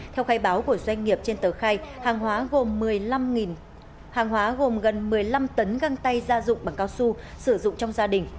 theo khai báo của doanh nghiệp trên tờ khai hàng hóa gồm gần một mươi năm tấn găng tay ra dụng bằng cao su sử dụng trong gia đình